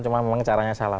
cuma memang caranya salah